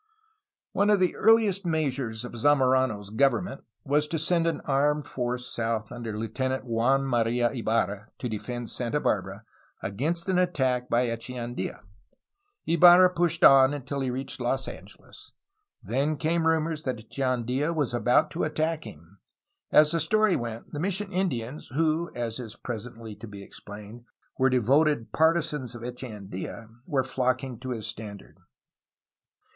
One of the earliest measures of Zamorano^s government was to send an armed force south under Lieutenant Juan Marfa Ibarra to defend Santa Barbara against attack by Echeandia. Ibarra pushed on until he reached Los Angeles. Then came rimiors that Echeandia was about to attack him. As the story went, the mission Indians, who (as is presently to be explained) were devoted partisans of Echeandia, were flocking to his standard.